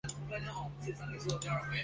北附地菜是紫草科附地菜属的植物。